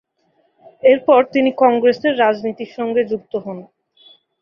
এরপর তিনি কংগ্রেসের রাজনীতির সঙ্গে যুক্ত হন।